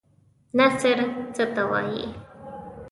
نثر څه ته وايي؟